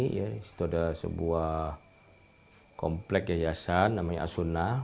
di situ ada sebuah komplek yayasan namanya asunah